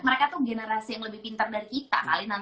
mereka tuh generasi yang lebih pinter dari kita